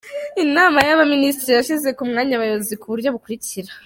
Inama y’Abaminisitiri yashyize mu myanya Abayobozi ku buryo bukurikira: